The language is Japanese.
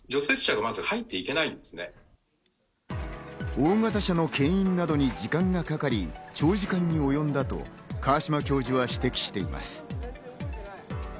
大型車のけん引などに時間がかかり、長時間におよんだなど、河島教授は指摘しています。